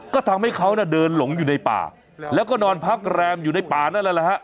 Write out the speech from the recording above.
ก็ทำให้เขาน่ะเดินหลงอยู่ในป่าแล้วก็นอนพักแรมอยู่ในป่านั่นแหละฮะ